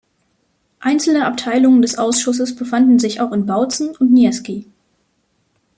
Einzelne Abteilungen des Ausschusses befanden sich auch in Bautzen und Niesky.